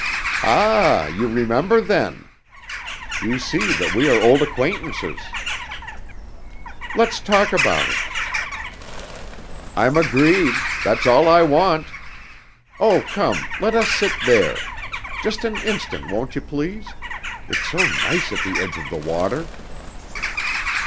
"Ah you remember, then? You see that we are old acquaintances!" "Let's talk about it." "I'm agreed. That's all I want!... Oh, come, let us sit there! Just an instant, won't you please? It's so nice at the edge of the water!"